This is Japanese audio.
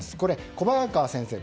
小早川先生。